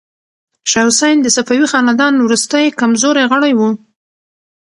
شاه حسین د صفوي خاندان وروستی کمزوری غړی و.